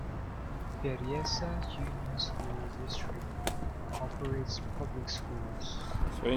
Berryessa Union School District operates public schools.